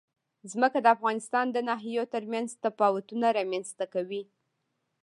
ځمکه د افغانستان د ناحیو ترمنځ تفاوتونه رامنځ ته کوي.